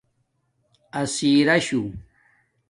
اسیراشوں